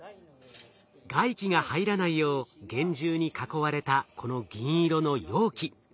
外気が入らないよう厳重に囲われたこの銀色の容器。